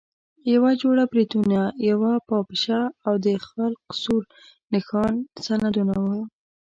یوه جوړه بریتونه، یوه پاپشه او د خلق سور نښان سندونه وو.